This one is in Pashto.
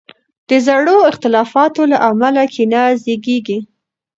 د زړو اختلافاتو له امله کینه زیږیږي.